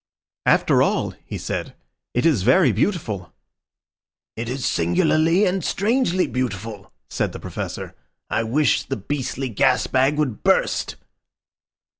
"After all," he said, "it is very beautiful!" "It is singularly and strangely beautiful!" said the Professor. "I wish the beastly gas bag would burst!"